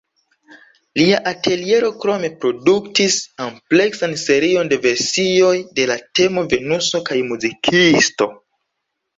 Lia ateliero krome produktis ampleksan serion de versioj de la temo Venuso kaj muzikisto.